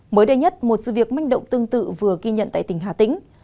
mới đây nhất một sự việc manh động tương tự vừa ghi nhận tại tỉnh hà tĩnh